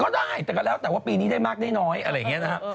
ได้แต่ก็แล้วแต่ว่าปีนี้ได้มากได้น้อยอะไรอย่างนี้นะฮะ